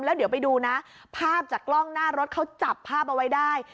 แล้วเดี๋ยวไปดูนะภาพจากกล้องหน้ารถเขาจับภาพเอาไว้ได้